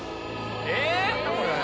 えっ⁉